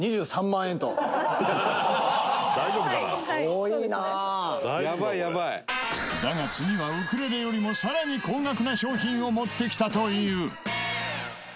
「遠いな」だが次はウクレレよりもさらに高額な商品を持ってきたという。